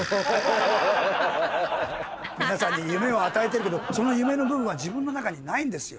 皆さんに夢を与えてるけどその夢の部分は自分の中にないんですよ。